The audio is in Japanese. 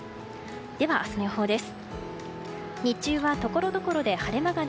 では、明日の予報です。